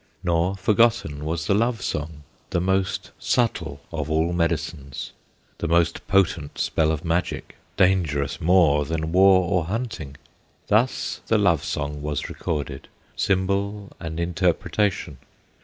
Nor forgotten was the Love Song, The most subtle of all medicines, The most potent spell of magic, Dangerous more than war or hunting! Thus the Love Song was recorded, Symbol and interpretation.